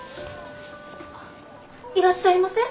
いらっしゃいませ。